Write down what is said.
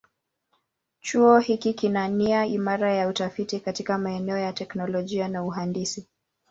Chuo hiki kina nia imara ya utafiti katika maeneo ya teknolojia na uhandisi.